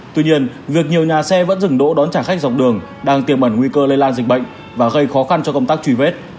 tuy nhiên việc nhiều nhà xe vẫn dừng đỗ đón trả khách dọc đường đang tiềm ẩn nguy cơ lây lan dịch bệnh và gây khó khăn cho công tác truy vết